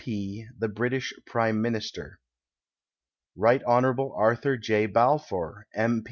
P., the Bi itish Prime .Minister. Rt. Hon. Arthur J. Balfour, M.